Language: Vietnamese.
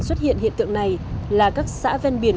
xuất hiện hiện tượng này là các xã ven biển